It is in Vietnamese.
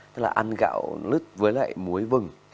tức là ăn gạo lứt với lại muối vừng